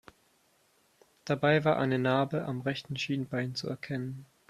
Dabei war eine Narbe am rechten Schienbein zu erkennen.